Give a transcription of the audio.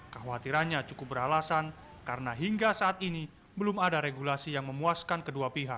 kekhawatirannya cukup beralasan karena hingga saat ini belum ada regulasi yang memuaskan kedua pihak